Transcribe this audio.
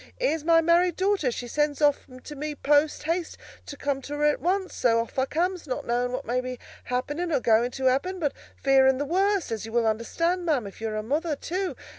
Here's my married daughter, she sends off to me post haste to come to her at once; so off I comes, not knowing what may be happening or going to happen, but fearing the worst, as you will understand, ma'am, if you're a mother, too.